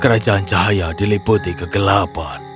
kerajaan cahaya diliputi kegelapan